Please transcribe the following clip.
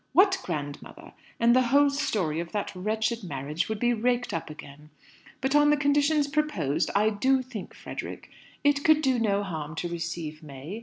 'What grandmother?' and the whole story of that wretched marriage would be raked up again. But, on the conditions proposed, I do think, Frederick, it could do no harm to receive May.